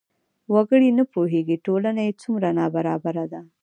وګړي نه پوهېږي ټولنه یې څومره نابرابره ده.